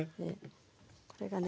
これがね